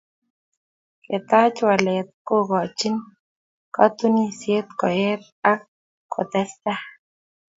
ketaach waleet kokochinin katunisieet koeet ak kotestaai